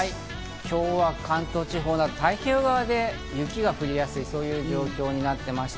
今日は関東地方、太平洋側で雪が降りやすい状況になっています。